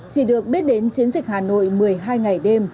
chỉ được biết đến chiến dịch hà nội một mươi hai ngày đêm